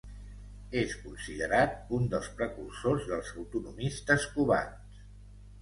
És considerat un dels precursors dels autonomistes cubans.